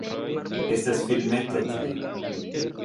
Estas filmeto tie